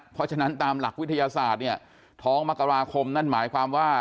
เพราะฉะนั้นตามหลักวิทยาศาสตร์เนี่ยท้องมกราคมนั่นหมายความว่า